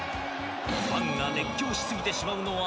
ファンが熱狂し過ぎてしまうのは、